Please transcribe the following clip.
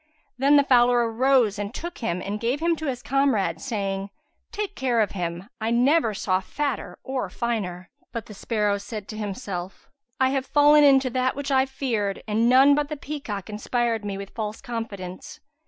Then the fowler arose and took him and gave him to his comrade, saying, "Take care of him, " I never saw fatter or finer." But the sparrow said to himself, "I have fallen into that which I feared and none but the peacock inspired me with false confidence.